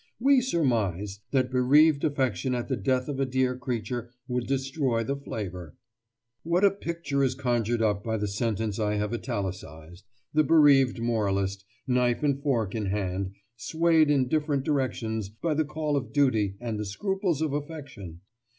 We surmise that bereaved affection at the death of a dear creature would destroy the flavour." Footnote 15: Ibid. What a picture is conjured up by the sentence I have italicised—the bereaved moralist, knife and fork in hand, swayed in different directions by the call of duty and the scruples of affection!